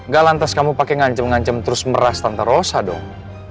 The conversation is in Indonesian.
gak lantas kamu pakai ngancam ngancam terus meras tanpa rosa dong